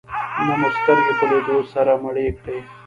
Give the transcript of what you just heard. نه مو سترګې په لیدو سره مړې کړې.